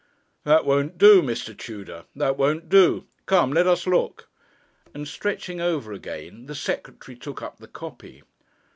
'That won't do, Mr. Tudor, that won't do come, let us look,' and stretching over again, the Secretary took up the copy.